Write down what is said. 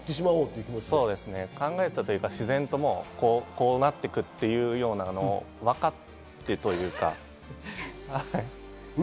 考えたというか自然とこうなっていくというように分かってというか。